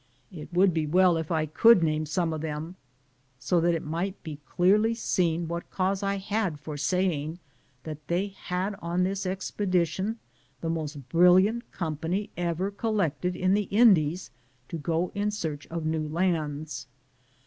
It would be well if I could name some of them, so that it might be clearly seen what cause I had for saying that they had on this expedition the most brilliant company ever collected in the la THE JOURNEY OP CORONADO dies to go in search of new lands.